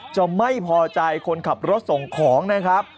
จะไม่พอใจคนขับรถส่งของนะครับ